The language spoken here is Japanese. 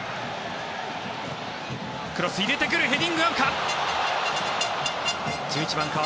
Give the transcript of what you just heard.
クロス、入れてくるヘディング合うか？